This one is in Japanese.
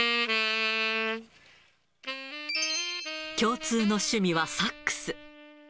共通の趣味はサックス。